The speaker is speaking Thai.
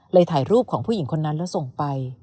ถ่ายรูปของผู้หญิงคนนั้นแล้วส่งไป